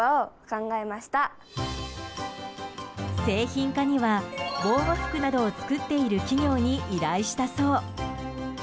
製品化には防護服などを作っている企業に依頼したそう。